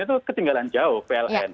itu ketinggalan jauh pln